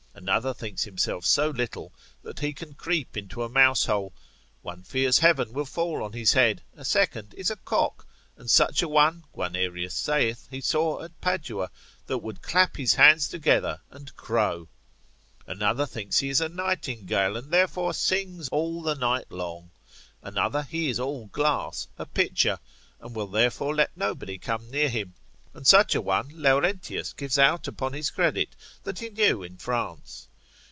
Another thinks himself so little, that he can creep into a mouse hole: one fears heaven will fall on his head: a second is a cock; and such a one, Guianerius saith he saw at Padua, that would clap his hands together and crow. Another thinks he is a nightingale, and therefore sings all the night long; another he is all glass, a pitcher, and will therefore let nobody come near him, and such a one Laurentius gives out upon his credit, that he knew in France.